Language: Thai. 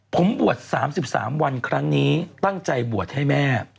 ผมบวช๓๓วันครั้งนี้ตั้งใจบวชให้แม่